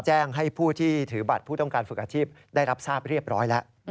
แจ้งให้ผู้ที่ถือบัตรผู้ต้องการฝึกอาชีพได้รับทราบเรียบร้อยแล้ว